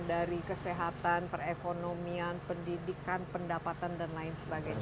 dari kesehatan perekonomian pendidikan pendapatan dan lain sebagainya